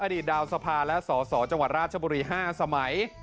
อดีตดาวสภาและสสจังหวัดราชบุรี๕สมัย